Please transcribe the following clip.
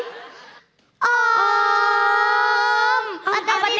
นะ